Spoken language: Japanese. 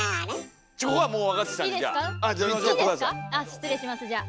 失礼しますじゃあ。